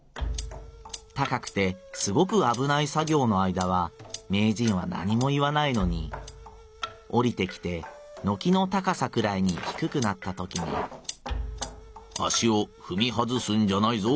高くてすごくあぶない作ぎょうの間は名人は何も言わないのにおりてきて軒の高さくらいにひくくなったときに『足をふみ外すんじゃないぞ。